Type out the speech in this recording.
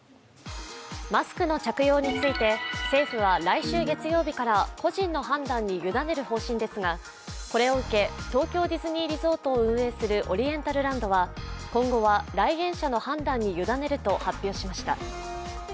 マスクの着用について政府は来週月曜日から個人の判断にゆだねる方針ですが、これを受け、東京ディズニーリゾートを運営するオリエンタルランドは今後は来園者の判断に委ねると発表しました。